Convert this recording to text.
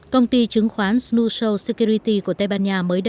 công ty chứng khoán snusso security của tây ban nha mới